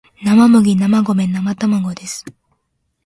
生麦生米生卵です